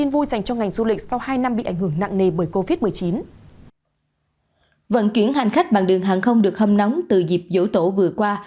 vận chuyển hành khách bằng đường hàng không được hâm nóng từ dịp dỗ tổ vừa qua